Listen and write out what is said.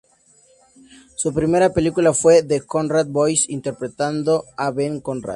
Su primera película fue "The Conrad Boys" interpretando a Ben Conrad.